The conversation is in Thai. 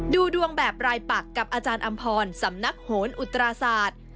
ดูดวงแบบรายปักกับอาจารย์อำพรสำนักโหนอุตราศาสตร์